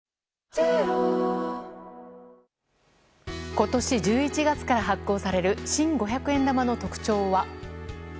今年１１月から発行される新五百円玉の特徴は。